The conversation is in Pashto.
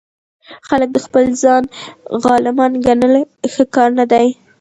خلک د خپل ځان غلامان ګڼل ښه کار نه دئ.